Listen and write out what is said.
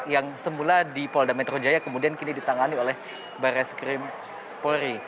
yang semula di polda metro jaya kemudian kini ditangani oleh baris krim polri